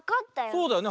そうだよね。